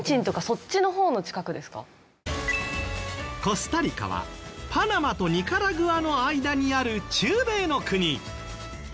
コスタリカはパナマとニカラグアの間にある中米の国。